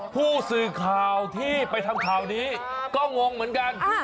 ผู้สื่อข่าวที่ไปทำข่าวนี้ก็งงเหมือนกัน